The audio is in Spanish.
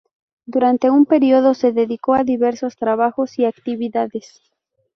Durante un periodo se dedicó a diversos trabajos y actividades.